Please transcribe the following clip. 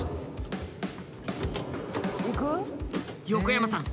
横山さん